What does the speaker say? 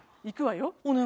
いくわよ。